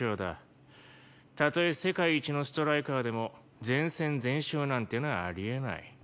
たとえ世界一のストライカーでも全戦全勝なんてのはあり得ない。